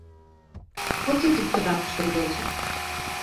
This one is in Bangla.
অতি দ্রুত রাগ চলেও যায়।